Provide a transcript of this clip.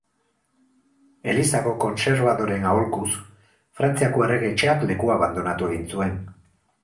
Elizako kontserbadoreen aholkuz, Frantziako errege etxeak lekua abandonatu egin zuen.